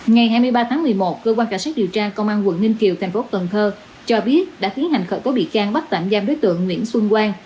ngày hai mươi ba tháng một mươi một cơ quan cảnh sát điều tra công an quận ninh kiều thành phố cần thơ cho biết đã tiến hành khởi tố bị can bắt tạm giam đối tượng nguyễn xuân quang